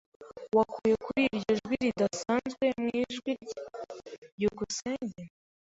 Wakuye kuri iryo jwi ridasanzwe mu ijwi rye? byukusenge